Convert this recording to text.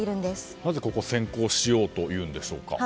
なぜここを先行しようというのでしょうか。